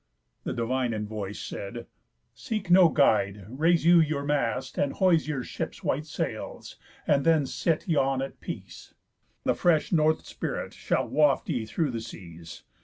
The divine in voice Said; 'Seek no guide, raise you your mast, and hoise Your ship's white sails, and then sit yon at peace, The fresh North Spirit shall waft ye through the Seas.